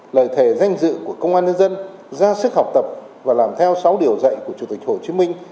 lời thề danh dự của công an nhân dân ra sức học tập và làm theo sáu điều dạy của chủ tịch hồ chí minh